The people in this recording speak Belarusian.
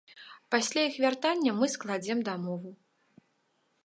Пасля іх вяртання мы складзем дамову.